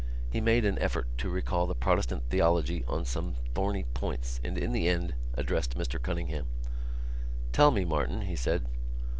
He made an effort to recall the Protestant theology on some thorny points and in the end addressed Mr Cunningham. "Tell me, Martin," he said.